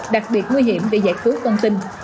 đặc biệt nguy hiểm vì giải cứu con tin